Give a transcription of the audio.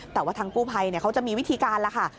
แต่ว่าทางกู้ภัยเขาจะมีวิธีการแล้วค่ะ